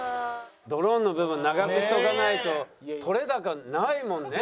ドローンの部分長くしておかないと撮れ高ないもんね。